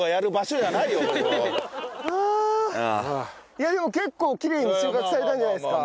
いやでも結構きれいに収穫されたんじゃないですか？